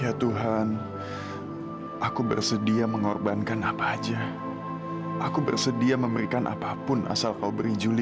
ya tuhan aku bersedia mengorbankan apa aja aku bersedia memberikan apapun asal kau beri juli